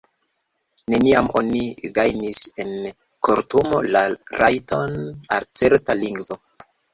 Neniam oni gajnis en kortumo la rajton al certa lingvo